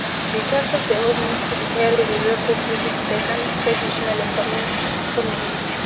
Because of the almost entirely rural population, Bekan is traditionally a farming community.